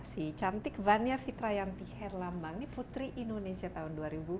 si cantik vania fitra yantiher lambang putri indonesia tahun dua ribu delapan belas